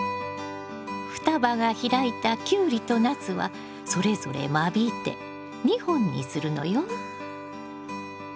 双葉が開いたキュウリとナスはそれぞれ間引いて２本にするのよ。